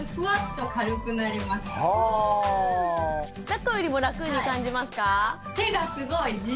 だっこよりも楽に感じますか？